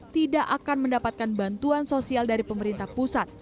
tidak akan mendapatkan bantuan sosial dari pemerintah pusat